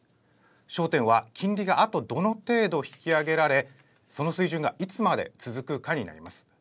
焦点は金利があとどの程度引き上げられその水準がいつまで続くかになります。